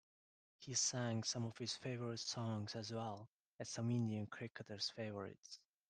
He sang some of his favorite songs as well as some Indian cricketers' favorites.